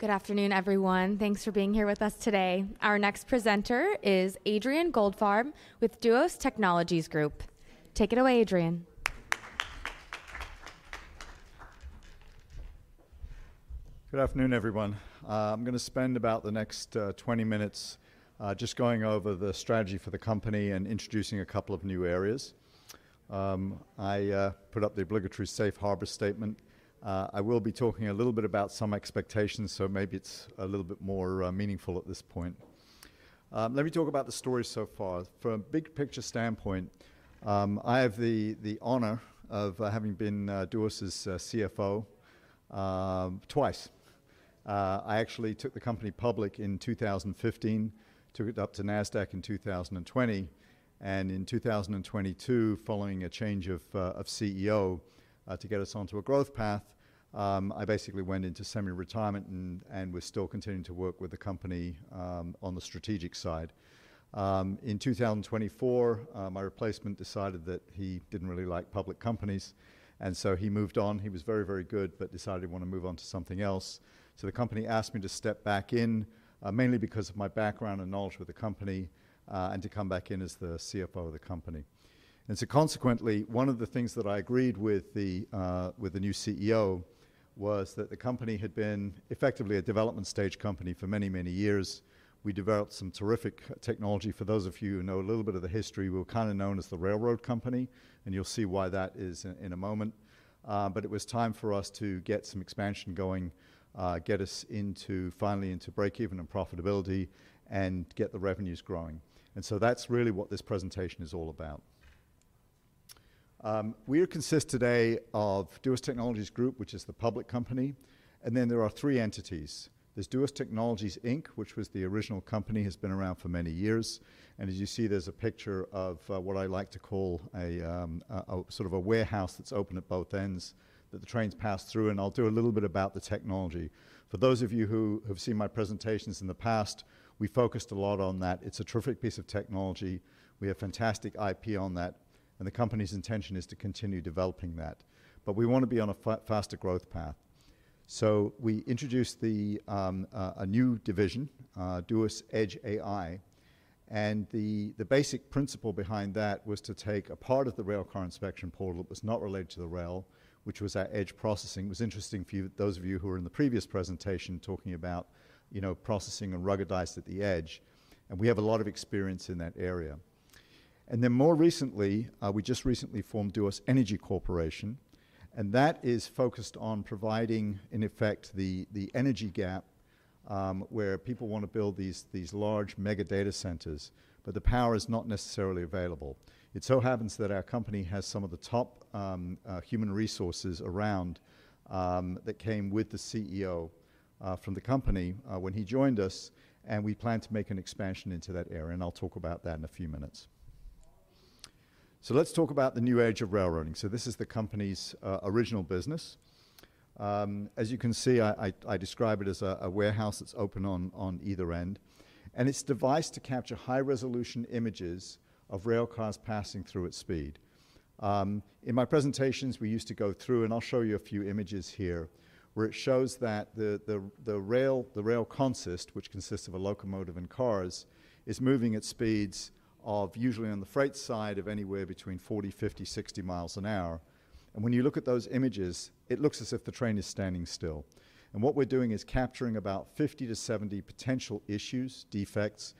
Good afternoon, everyone. Thanks for being here with us today. Our next presenter is Adrian Goldfarb with Duos Technologies Group. Take it away, Adrian. Good afternoon, everyone. I'm going to spend about the next 20 minutes just going over the strategy for the company and introducing a couple of new areas. I put up the obligatory safe harbor statement. I will be talking a little bit about some expectations, so maybe it's a little bit more meaningful at this point. Let me talk about the story so far. From a big-picture standpoint, I have the honor of having been Duos' CFO twice. I actually took the company public in 2015, took it up to NASDAQ in 2020, and in 2022, following a change of CEO to get us onto a growth path, I basically went into semi-retirement and was still continuing to work with the company on the strategic side. In 2024, my replacement decided that he didn't really like public companies, and so he moved on. He was very, very good, but decided he wanted to move on to something else. So the company asked me to step back in, mainly because of my background and knowledge with the company, and to come back in as the CFO of the company. And so consequently, one of the things that I agreed with the new CEO was that the company had been effectively a development stage company for many, many years. We developed some terrific technology. For those of you who know a little bit of the history, we were kind of known as the railroad company, and you'll see why that is in a moment. But it was time for us to get some expansion going, get us finally into break-even and profitability, and get the revenues growing. And so that's really what this presentation is all about. We consist today of Duos Technologies Group, which is the public company, and then there are three entities. There's Duos Technologies Inc, which was the original company, has been around for many years. And as you see, there's a picture of what I like to call a sort of a warehouse that's open at both ends that the trains pass through, and I'll do a little bit about the technology. For those of you who have seen my presentations in the past, we focused a lot on that. It's a terrific piece of technology. We have fantastic IP on that, and the company's intention is to continue developing that. But we want to be on a faster growth path. So we introduced a new division, Duos Edge AI, and the basic principle behind that was to take a part of the railcar inspection portal that was not related to the rail, which was our edge processing. It was interesting for those of you who were in the previous presentation talking about processing and ruggedized at the edge, and we have a lot of experience in that area. And then more recently, we just recently formed Duos Energy Corporation, and that is focused on providing, in effect, the energy gap where people want to build these large mega data centers, but the power is not necessarily available. It so happens that our company has some of the top human resources around that came with the CEO from the company when he joined us, and we plan to make an expansion into that area, and I'll talk about that in a few minutes. So let's talk about the new age of railroading. So this is the company's original business. As you can see, I describe it as a warehouse that's open on either end, and it's devised to capture high-resolution images of rail cars passing through at speed. In my presentations, we used to go through, and I'll show you a few images here, where it shows that the rail consist, which consists of a locomotive and cars, is moving at speeds of usually on the freight side of anywhere between 40, 50, 60 miles an hour. When you look at those images, it looks as if the train is standing still. What we're doing is capturing about 50-70 potential issues, defects,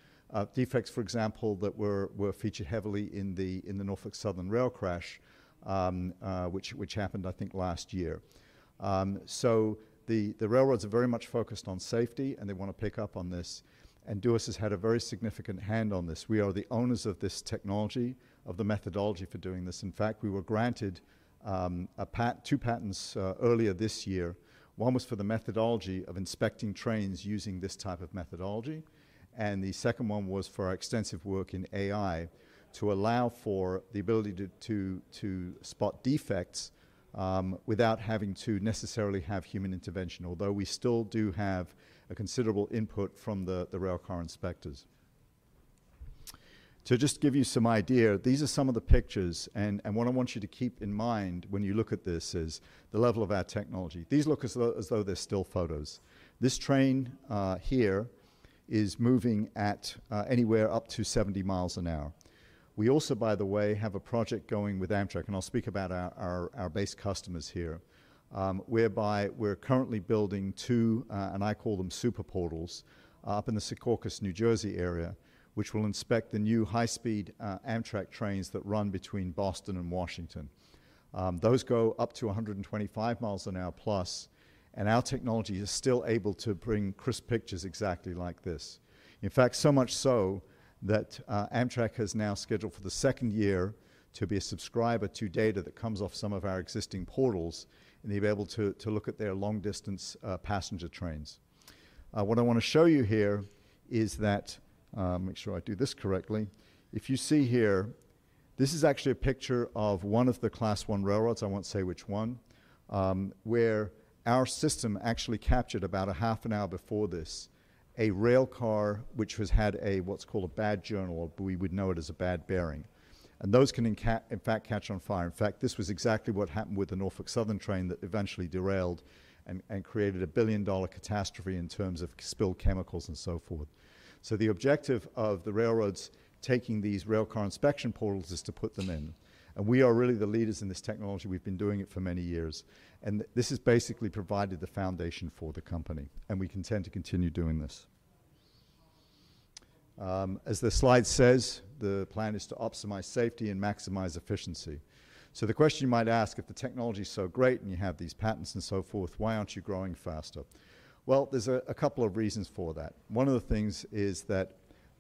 defects, for example, that were featured heavily in the Norfolk Southern rail crash, which happened, I think, last year. The railroads are very much focused on safety, and they want to pick up on this, and Duos has had a very significant hand on this. We are the owners of this technology, of the methodology for doing this. In fact, we were granted two patents earlier this year. One was for the methodology of inspecting trains using this type of methodology, and the second one was for our extensive work in AI to allow for the ability to spot defects without having to necessarily have human intervention, although we still do have a considerable input from the rail car inspectors. To just give you some idea, these are some of the pictures, and what I want you to keep in mind when you look at this is the level of our technology. These look as though they're still photos. This train here is moving at anywhere up to 70 mi an hour. We also, by the way, have a project going with Amtrak, and I'll speak about our base customers here, whereby we're currently building two, and I call them super portals, up in the Secaucus, New Jersey area, which will inspect the new high-speed Amtrak trains that run between Boston and Washington. Those go up to 125 mi an hour plus, and our technology is still able to bring crisp pictures exactly like this. In fact, so much so that Amtrak has now scheduled for the second year to be a subscriber to data that comes off some of our existing portals, and they'll be able to look at their long-distance passenger trains. What I want to show you here is that, make sure I do this correctly, if you see here, this is actually a picture of one of the Class I railroads, I won't say which one, where our system actually captured about a half an hour before this a rail car which has had what's called a bad journal, or we would know it as a bad bearing. Those can, in fact, catch on fire. In fact, this was exactly what happened with the Norfolk Southern train that eventually derailed and created a billion-dollar catastrophe in terms of spilled chemicals and so forth. The objective of the railroads taking these railcar inspection portals is to put them in. We are really the leaders in this technology. We've been doing it for many years, and this has basically provided the foundation for the company, and we intend to continue doing this. As the slide says, the plan is to optimize safety and maximize efficiency. The question you might ask, if the technology is so great and you have these patents and so forth, why aren't you growing faster? Well, there's a couple of reasons for that. One of the things is that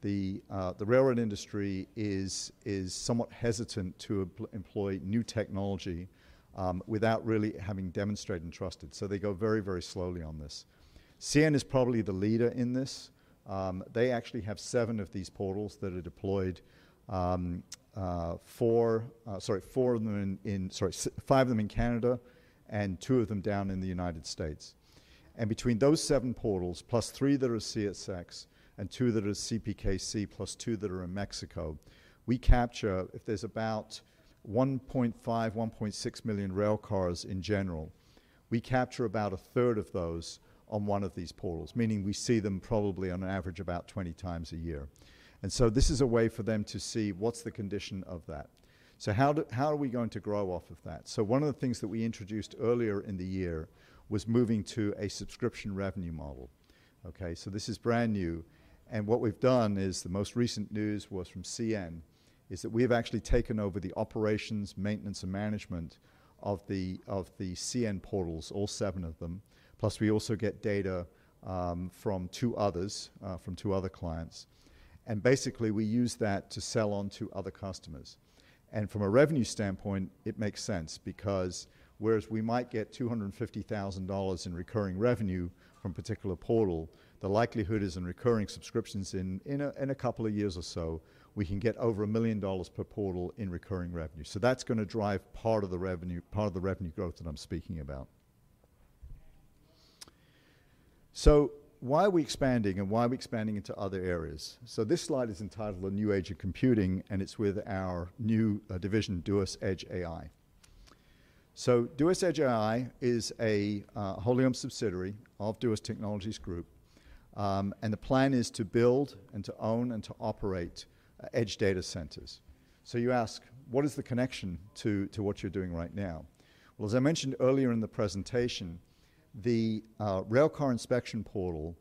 the railroad industry is somewhat hesitant to employ new technology without really having demonstrated and trusted, so they go very, very slowly on this. CN is probably the leader in this. They actually have seven of these portals that are deployed, sorry, five of them in Canada, and two of them down in the United States. And between those seven portals, plus three that are CSX and two that are CPKC, plus two that are in Mexico, we capture, if there's about 1.5 million-1.6 million rail cars in general, we capture about a third of those on one of these portals, meaning we see them probably on average about 20 times a year. And so this is a way for them to see what's the condition of that. So how are we going to grow off of that? So one of the things that we introduced earlier in the year was moving to a subscription revenue model. Okay, so this is brand new, and what we've done is the most recent news was from CN is that we have actually taken over the operations, maintenance, and management of the CN portals, all seven of them, plus we also get data from two others, from two other clients. And basically, we use that to sell on to other customers. And from a revenue standpoint, it makes sense because whereas we might get $250,000 in recurring revenue from a particular portal, the likelihood is in recurring subscriptions in a couple of years or so, we can get over $1 million per portal in recurring revenue. That's going to drive part of the revenue growth that I'm speaking about. Why are we expanding, and why are we expanding into other areas? This slide is entitled A New Age of Computing, and it's with our new division, Duos Edge AI. Duos Edge AI is a wholly-owned subsidiary of Duos Technologies Group, and the plan is to build, and to own, and to operate edge data centers. You ask, what is the connection to what you're doing right now? As I mentioned earlier in the presentation, the railcar inspection portal,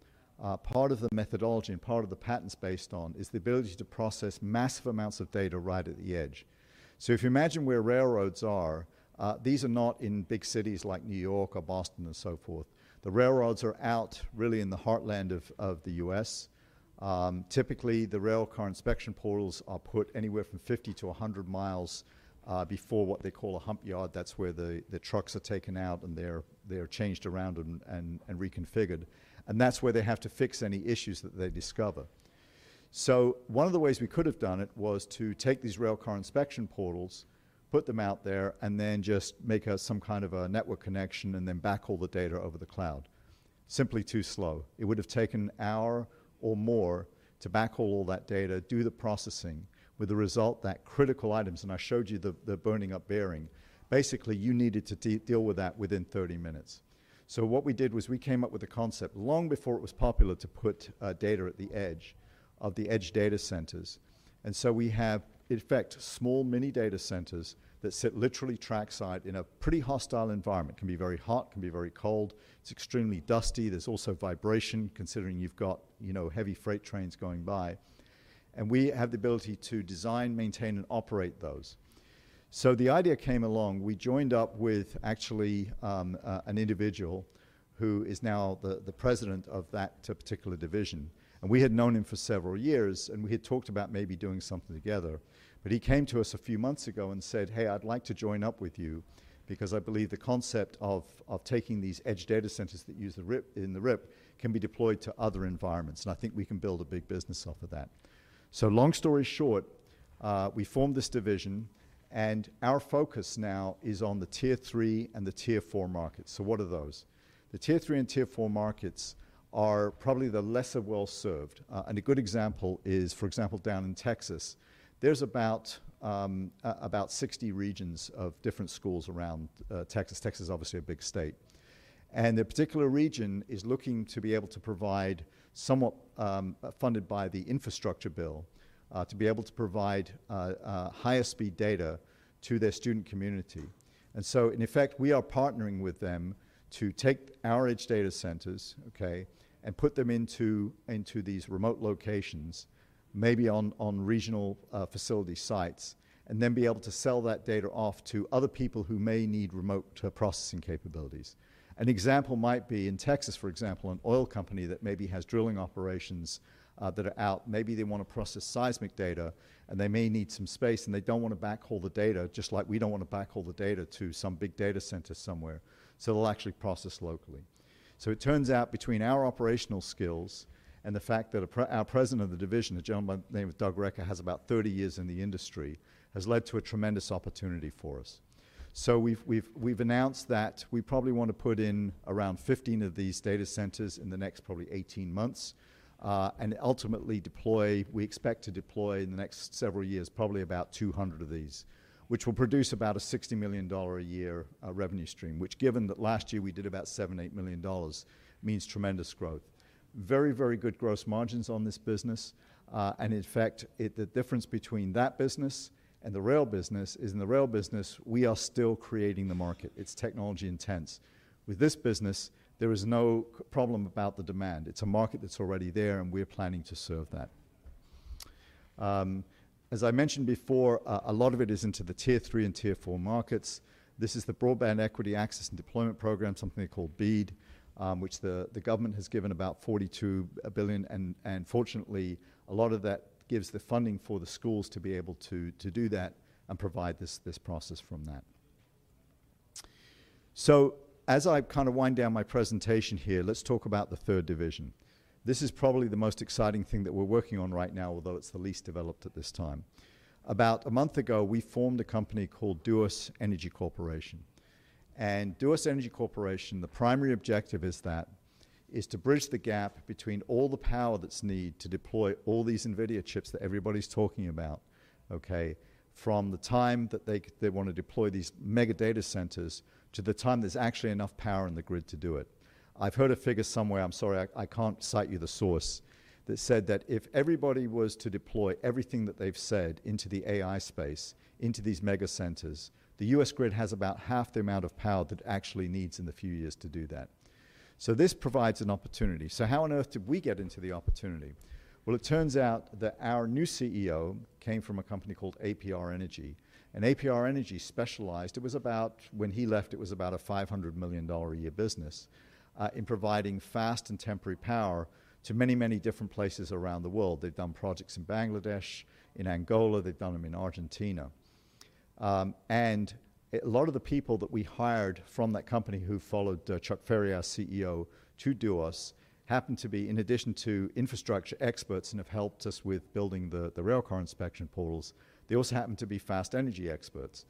part of the methodology and part of the patents based on is the ability to process massive amounts of data right at the edge. If you imagine where railroads are, these are not in big cities like New York or Boston and so forth. The railroads are out really in the heartland of the U.S. Typically, the railcar inspection portals are put anywhere from 50-100 mi before what they call a hump yard. That's where the trucks are taken out, and they're changed around and reconfigured, and that's where they have to fix any issues that they discover. So one of the ways we could have done it was to take these railcar inspection portals, put them out there, and then just make some kind of a network connection, and then backhaul the data over the cloud. Simply too slow. It would have taken an hour or more to backhaul all that data, do the processing, with the result that critical items, and I showed you the burning up bearing, basically you needed to deal with that within 30 minutes. So what we did was we came up with a concept long before it was popular to put data at the edge of the edge data centers. We have, in effect, small mini data centers that sit literally trackside in a pretty hostile environment. It can be very hot, it can be very cold, it's extremely dusty, there's also vibration considering you've got heavy freight trains going by, and we have the ability to design, maintain, and operate those. So the idea came along, we joined up with actually an individual who is now the president of that particular division, and we had known him for several years, and we had talked about maybe doing something together, but he came to us a few months ago and said, "Hey, I'd like to join up with you because I believe the concept of taking these edge data centers that use the RIP and the RIP can be deployed to other environments, and I think we can build a big business off of that." So long story short, we formed this division, and our focus now is on the Tier 3 and the Tier 4 markets. So what are those? The Tier 3 and Tier 4 markets are probably the lesser well served, and a good example is, for example, down in Texas. There's about 60 regions of different schools around Texas. Texas is obviously a big state, and the particular region is looking to be able to provide, somewhat funded by the infrastructure bill, to be able to provide higher speed data to their student community. And so in effect, we are partnering with them to take our Edge Data Centers, okay, and put them into these remote locations, maybe on regional facility sites, and then be able to sell that data off to other people who may need remote processing capabilities. An example might be in Texas, for example, an oil company that maybe has drilling operations that are out, maybe they want to process seismic data, and they may need some space, and they don't want to backhaul the data, just like we don't want to backhaul the data to some big data center somewhere, so they'll actually process locally, so it turns out between our operational skills and the fact that our President of the division, a gentleman by the name of Doug Recker, has about 30 years in the industry, has led to a tremendous opportunity for us. So we've announced that we probably want to put in around 15 of these data centers in the next probably 18 months, and ultimately deploy. We expect to deploy in the next several years probably about 200 of these, which will produce about a $60 million a year revenue stream, which given that last year we did about $7 million-$8 million means tremendous growth. Very, very good gross margins on this business, and in fact, the difference between that business and the rail business is in the rail business, we are still creating the market. It's technology intense. With this business, there is no problem about the demand. It's a market that's already there, and we're planning to serve that. As I mentioned before, a lot of it is into the Tier 3 and Tier 4 markets. This is the Broadband Equity Access and Deployment Program, something they call BEAD, which the government has given about $42 billion, and fortunately, a lot of that gives the funding for the schools to be able to do that and provide this process from that. So as I kind of wind down my presentation here, let's talk about the third division. This is probably the most exciting thing that we're working on right now, although it's the least developed at this time. About a month ago, we formed a company called Duos Energy Corporation, and Duos Energy Corporation, the primary objective is that is to bridge the gap between all the power that's needed to deploy all these NVIDIA chips that everybody's talking about, okay, from the time that they want to deploy these mega data centers to the time there's actually enough power in the grid to do it. I've heard a figure somewhere. I'm sorry, I can't cite you the source, that said that if everybody was to deploy everything that they've said into the AI space, into these mega centers, the U.S. grid has about half the amount of power that it actually needs in the few years to do that. So this provides an opportunity. So how on earth did we get into the opportunity? Well, it turns out that our new CEO came from a company called APR Energy, and APR Energy specialized. It was about, when he left, it was about a $500 million-a-year business in providing fast and temporary power to many, many different places around the world. They've done projects in Bangladesh, in Angola. They've done them in Argentina, and a lot of the people that we hired from that company who followed Chuck Ferry, our CEO, to Duos happened to be, in addition to infrastructure experts and have helped us with building the railcar inspection portals, they also happened to be fast energy experts,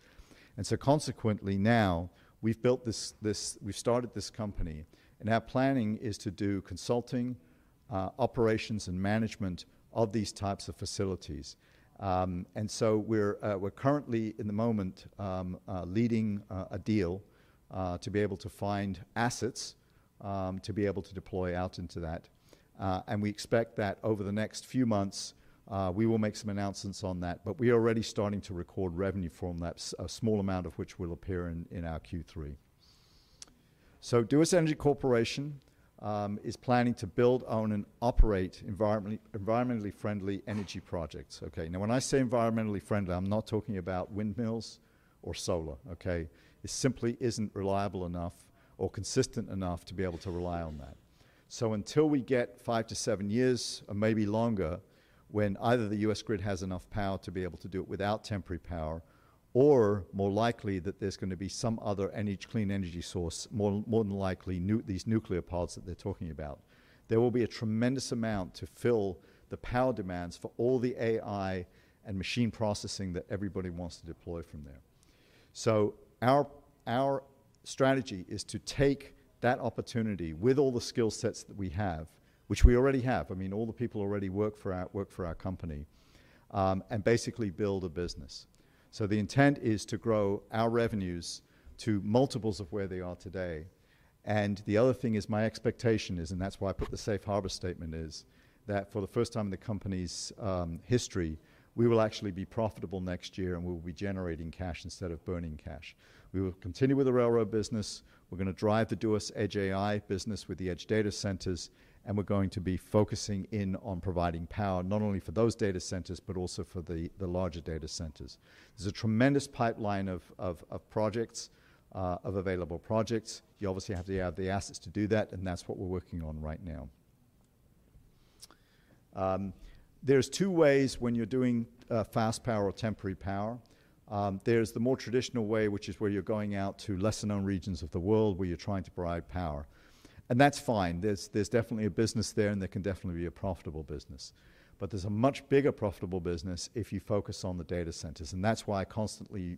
and so consequently now, we've built this. We've started this company, and our planning is to do consulting, operations, and management of these types of facilities, and so we're currently in the moment leading a deal to be able to find assets to be able to deploy out into that, and we expect that over the next few months we will make some announcements on that, but we are already starting to record revenue from that, a small amount of which will appear in our Q3. Duos Energy Corporation is planning to build, own, and operate environmentally friendly energy projects. Okay, now when I say environmentally friendly, I'm not talking about windmills or solar, okay. It simply isn't reliable enough or consistent enough to be able to rely on that. So until we get five to seven years, or maybe longer, when either the U.S. grid has enough power to be able to do it without temporary power, or more likely that there's going to be some other clean energy source, more than likely these nuclear pods that they're talking about, there will be a tremendous amount to fill the power demands for all the AI and machine processing that everybody wants to deploy from there. So our strategy is to take that opportunity with all the skill sets that we have, which we already have, I mean all the people already work for our company and basically build a business. So the intent is to grow our revenues to multiples of where they are today, and the other thing is my expectation is, and that's why I put the safe harbor statement, is that for the first time in the company's history, we will actually be profitable next year and we'll be generating cash instead of burning cash. We will continue with the railroad business, we're going to drive the Duos Edge AI business with the edge data centers, and we're going to be focusing in on providing power not only for those data centers but also for the larger data centers. There's a tremendous pipeline of projects, of available projects. You obviously have to have the assets to do that, and that's what we're working on right now. There are two ways when you're doing fast power or temporary power. There's the more traditional way, which is where you're going out to lesser-known regions of the world where you're trying to provide power, and that's fine. There's definitely a business there, and that can definitely be a profitable business, but there's a much bigger profitable business if you focus on the data centers, and that's why I constantly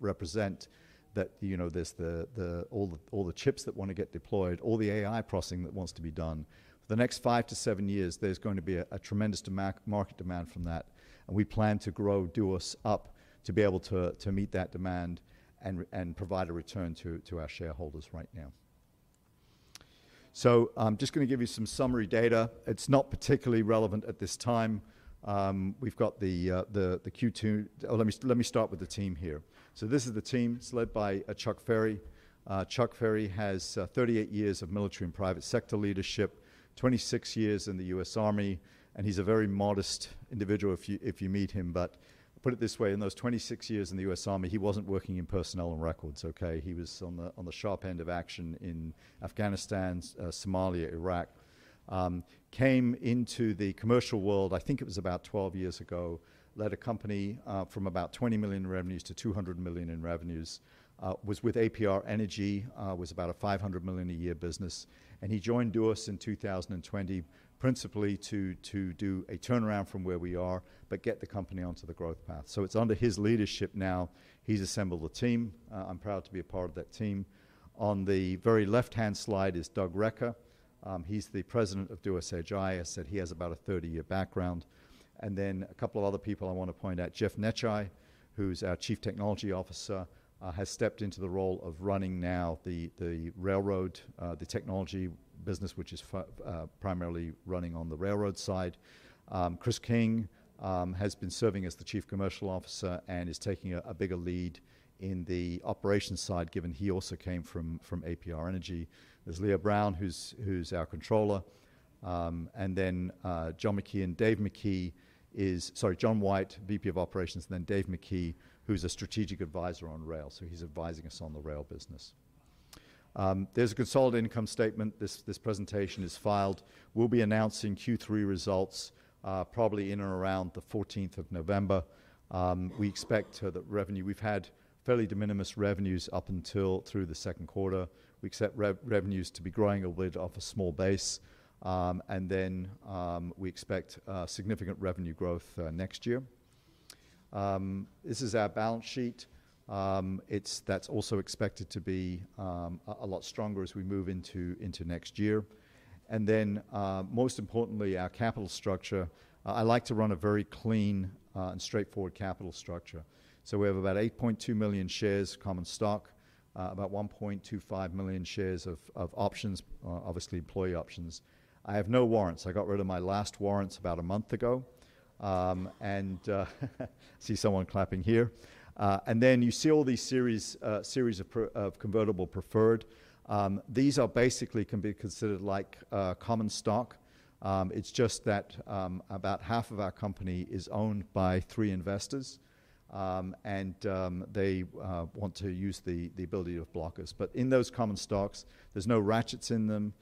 represent that there's all the chips that want to get deployed, all the AI processing that wants to be done. For the next five to seven years, there's going to be a tremendous market demand from that, and we plan to grow Duos up to be able to meet that demand and provide a return to our shareholders right now. So I'm just going to give you some summary data. It's not particularly relevant at this time. We've got the Q2, or let me start with the team here. So this is the team. It's led by Chuck Ferry. Chuck Ferry has 38 years of military and private sector leadership, 26 years in the U.S. Army, and he's a very modest individual if you meet him, but I'll put it this way, in those 26 years in the U.S. Army, he wasn't working in personnel and records, okay? He was on the sharp end of action in Afghanistan, Somalia, Iraq, came into the commercial world, I think it was about 12 years ago, led a company from about $20 million in revenues to $200 million in revenues, was with APR Energy, was about a $500 million-a-year business, and he joined Duos in 2020 principally to do a turnaround from where we are but get the company onto the growth path. So it's under his leadership now. He's assembled a team. I'm proud to be a part of that team. On the very left-hand slide is Doug Recker. He's the president of Duos Edge AI, as I said, he has about a 30-year background, and then a couple of other people I want to point out, Jeff Necciai, who's our Chief Technology Officer, has stepped into the role of running now the railroad, the technology business, which is primarily running on the railroad side. Chris King has been serving as the Chief Commercial Officer and is taking a bigger lead in the operations side given he also came from APR Energy. There's Leah Brown, who's our Controller, and then John McKee, and Dave McKee is, sorry, John White, VP of Operations, and then Dave McKee, who's a Strategic Advisor on rail, so he's advising us on the rail business. There's a consolidated income statement. This presentation is filed. We'll be announcing Q3 results probably in and around the 14th of November. We expect that revenue. We've had fairly de minimis revenues up until through the second quarter. We expect revenues to be growing a little bit off a small base, and then we expect significant revenue growth next year. This is our balance sheet. That's also expected to be a lot stronger as we move into next year, and then most importantly, our capital structure. I like to run a very clean and straightforward capital structure. So we have about 8.2 million shares of common stock, about 1.25 million shares of options, obviously employee options. I have no warrants. I got rid of my last warrants about a month ago, and I see someone clapping here. And then you see all these series of convertible preferred. These are basically can be considered like common stock. It's just that about half of our company is owned by three investors, and they want to use the ability of blockers. But in those common stocks, there's no ratchets in them,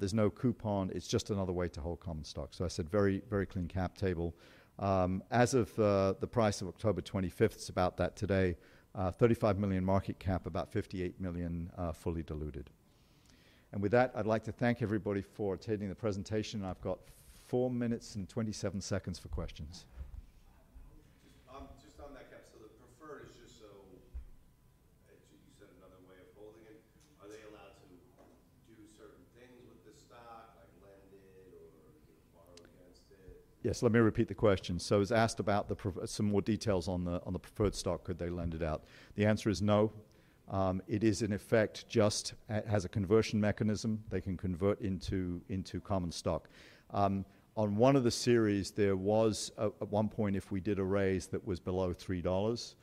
there's no coupon, it's just another way to hold common stock. So I said very, very clean cap table. As of the price of October 25th, it's about that today, $35 million market cap, about $58 million fully diluted. And with that, I'd like to thank everybody for attending the presentation. I've got four minutes and 27 seconds for questions. Just on that cap, so the preferred is just so you said another way of holding it, are they allowed to do certain things with the stock, like lend it or borrow against it? Yes, let me repeat the question. So it was asked about some more details on the preferred stock, could they lend it out? The answer is no. It is in effect just a conversion mechanism. They can convert into common stock. On one of the series, there was at one point, if we did a raise that was below $3,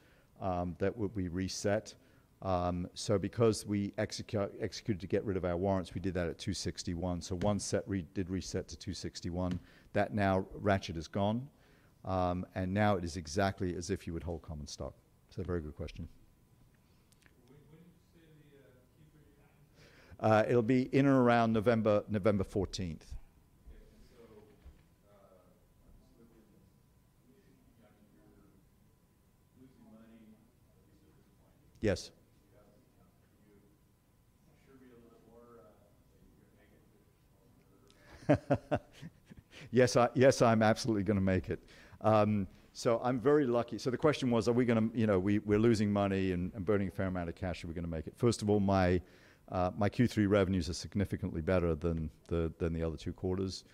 that would be reset. So because we executed to get rid of our warrants, we did that at $2.61, so once that did reset to $2.61, the ratchet now is gone, and now it is exactly as if you would hold common stock. It's a very good question. When did you say the key period happens? It'll be in and around November 14th. Okay, and so I'm just looking at you're losing money. Yes. You should be able to make it. Yes, I'm absolutely going to make it. I'm very lucky. The question was, are we going to, you know, we're losing money and burning a fair amount of cash, are we going to make it? First of all, my Q3 revenues are significantly better than the other two quarters.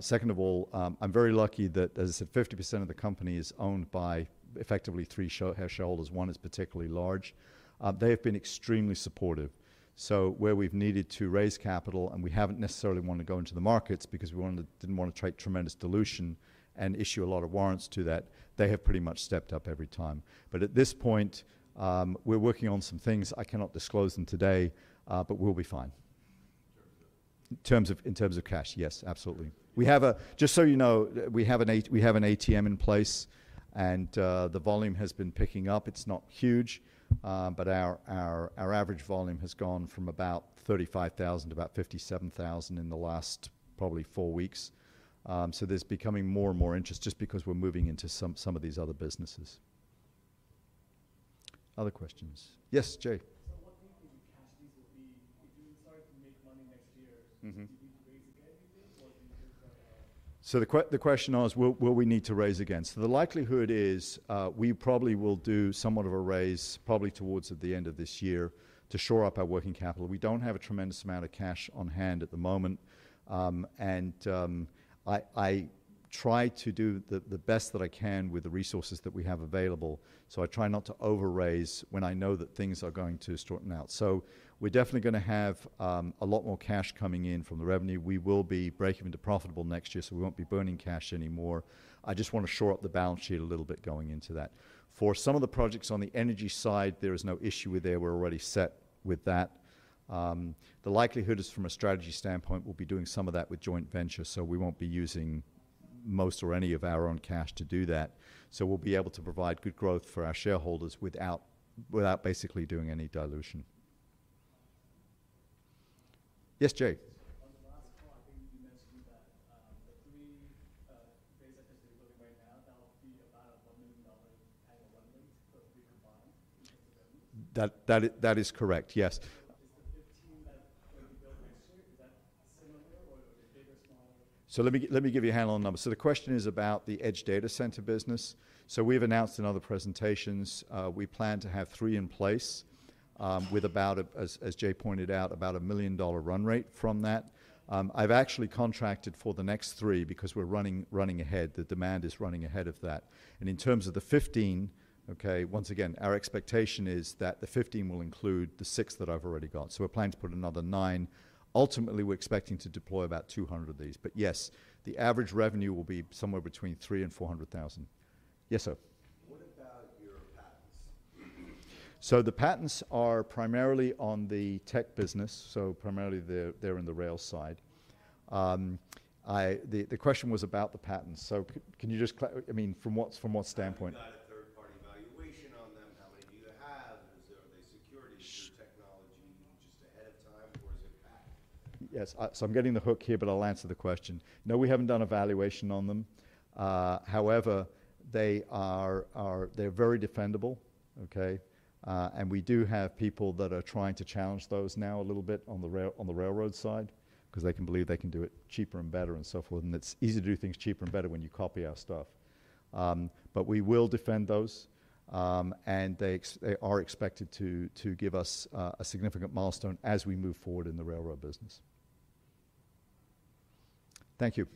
Second of all, I'm very lucky that, as I said, 50% of the company is owned by effectively three shareholders. One is particularly large. They have been extremely supportive. Where we've needed to raise capital, and we haven't necessarily wanted to go into the markets because we didn't want to trade tremendous dilution and issue a lot of warrants to that, they have pretty much stepped up every time. At this point, we're working on some things. I cannot disclose them today, but we'll be fine. In terms of? In terms of cash, yes, absolutely. We have a, just so you know, we have an ATM in place, and the volume has been picking up. It's not huge, but our average volume has gone from about 35,000 to about 57,000 in the last probably four weeks. So there's becoming more and more interest just because we're moving into some of these other businesses. Other questions? Yes, Jay. So what do you think your cash needs will be? If you're starting to make money next year, do you need to raise again, do you think, or do you think? The question was, will we need to raise again? So the likelihood is we probably will do somewhat of a raise, probably towards the end of this year, to shore up our working capital. We don't have a tremendous amount of cash on hand at the moment, and I try to do the best that I can with the resources that we have available. So I try not to overraise when I know that things are going to shorten out. So we're definitely going to have a lot more cash coming in from the revenue. We will be breaking into profitable next year, so we won't be burning cash anymore. I just want to shore up the balance sheet a little bit going into that. For some of the projects on the energy side, there is no issue with there. We're already set with that. The likelihood is from a strategy standpoint, we'll be doing some of that with joint venture, so we won't be using most or any of our own cash to do that. So we'll be able to provide good growth for our shareholders without basically doing any dilution. Yes, Jay. On the last call, I think you mentioned that the three basically building right now, that'll be about a $1 million kind of a run rate for three combined in terms of revenues? That is correct, yes. Is the 15 that will be built next year? Is that similar or is it bigger, smaller? So let me give you a handle on numbers. The question is about the Edge Data Center business. We've announced in other presentations, we plan to have three in place with about, as Jay pointed out, about a $1 million run rate from that. I've actually contracted for the next three because we're running ahead. The demand is running ahead of that. In terms of the 15, okay, once again, our expectation is that the 15 will include the six that I've already got. We're planning to put another nine. Ultimately, we're expecting to deploy about 200 of these, but yes, the average revenue will be somewhere between $300,000-$400,000. Yes, sir. What about your patents? So the patents are primarily on the tech business, so primarily they're in the rail side. The question was about the patents, so can you just, I mean, from what standpoint? Have you done a third-party evaluation on them? How many do you have? Are they security through technology just ahead of time, or is it back? Yes, so I'm getting the hook here, but I'll answer the question. No, we haven't done evaluation on them. However, they are very defendable, okay, and we do have people that are trying to challenge those now a little bit on the railroad side because they can believe they can do it cheaper and better and so forth, and it's easy to do things cheaper and better when you copy our stuff, but we will defend those, and they are expected to give us a significant milestone as we move forward in the railroad business. Thank you.